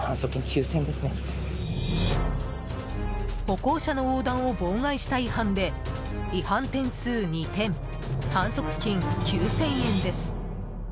歩行者の横断を妨害した違反で違反点数２点反則金９０００円です。